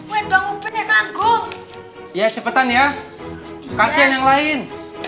woi bang ube kagum ya cepetan ya kasihan yang lain